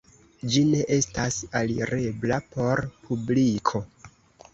Ĝi ne estas alirebla por publiko.